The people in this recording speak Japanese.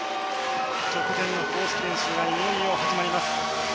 直前の公式練習がいよいよ始まります。